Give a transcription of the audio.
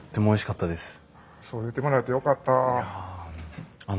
そう言ってもらえてよかったあ。